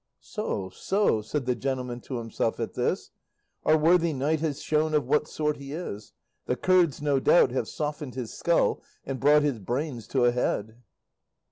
"So, so," said the gentleman to himself at this; "our worthy knight has shown of what sort he is; the curds, no doubt, have softened his skull and brought his brains to a head."